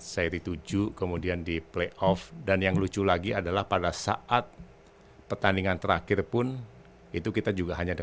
semua orang mempunyai kepentingan